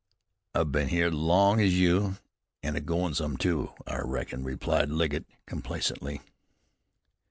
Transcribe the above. "I've been here as long as you, an' agoin' some, too, I reckon," replied Legget complacently.